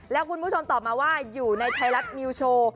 แล้วคุณผู้ชมตอบมาว่าอยู่ในไทยรัฐนิวโชว์